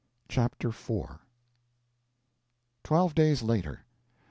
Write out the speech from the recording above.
CHAPTER IV Twelve days later.